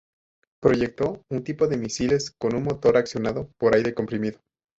Proyectó un tipo de misiles con un motor accionado por aire comprimido.